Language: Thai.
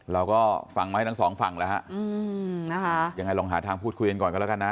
เราก็ฟังไว้ทั้งสองฝั่งแล้วฮะอืมนะคะยังไงลองหาทางพูดคุยกันก่อนกันแล้วกันนะ